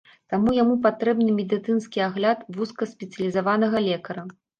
Таму яму патрэбны медыцынскі агляд вузкаспецыялізаванага лекара.